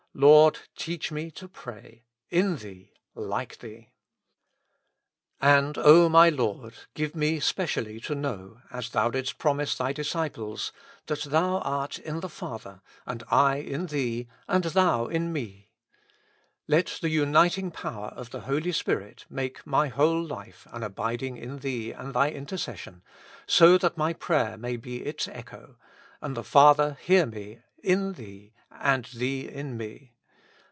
Lord ! teach me to pray, in Thee, like Thee. And, O my Lord ! give me specially to know, as 215 With Christ in the School of Prayer. Thou didst promise Thy disciples, that Thou art in the Father, and I in Thee, and Thou in me. Let the uniting power of the Holy Spirit make my whole life an abiding in Thee and Thy intercession, so that my prayer may be its echo, and the Father hear me in Thee and Thee in me.